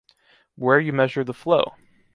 Where you measure the flow.